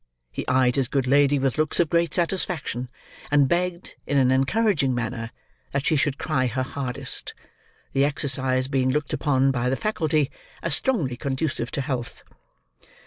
He eyed his good lady with looks of great satisfaction, and begged, in an encouraging manner, that she should cry her hardest: the exercise being looked upon, by the faculty, as strongly conducive to health.